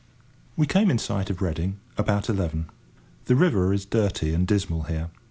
We came in sight of Reading about eleven. The river is dirty and dismal here.